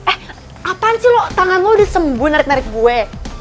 eh apaan sih lo tanganmu udah sembuh narik narik gue